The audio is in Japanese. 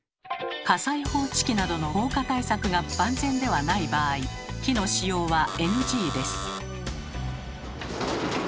火災報知器などの防火対策が万全ではない場合火の使用はＮＧです。